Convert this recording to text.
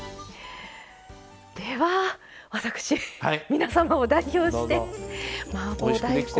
では、私皆様を代表してマーボー大根。